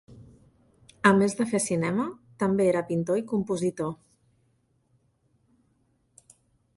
A més de fer cinema, també era pintor i compositor.